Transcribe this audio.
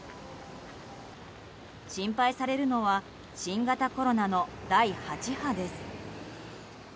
心配されるのは新型コロナの第８波です。